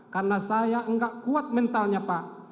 karena saya enggak kuat mentalnya pak